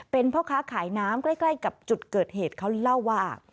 เป็นพ่อค้าขายน้ำใกล้กับจุดเกิดเหตุเขาเล่าว่า